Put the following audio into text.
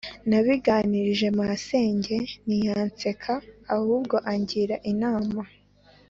nabiganirije masenge ntiyanseka ahubwo angira inama